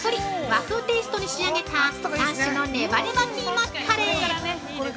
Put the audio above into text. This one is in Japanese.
和風テイストに仕上げた３種のねばねばキーマカレー！